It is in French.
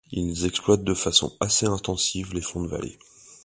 Ils exploitent de façon assez intensive les fonds de vallée.